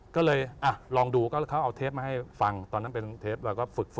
ก็เลยอ่ะลองดูก็เขาเอาเทปมาให้ฟังตอนนั้นเป็นเทปเราก็ฝึกซ้อม